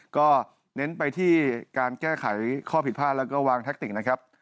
ก็เน้นไปที่การแก้ไขข้อผิดพลาดแล้วก็วางแทคติกนะครับ